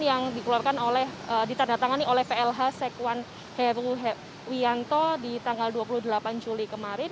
yang ditandatangani oleh plh sekwan heruwianto di tanggal dua puluh delapan juli kemarin